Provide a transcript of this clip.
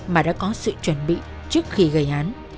mà đã có sự chuẩn bị trước khi gây án